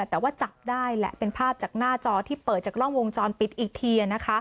แต่ว่าจับได้แหละเป็นภาพจากหน้าจอที่เปิดจากกล้องวงจรปิดอีกที